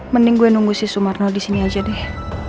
mending gue nunggu si sumarno disini aja deh